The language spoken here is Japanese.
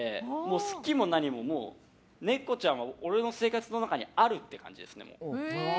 好きも何も、ネコちゃんは俺の生活の中にあるっていう感じですね。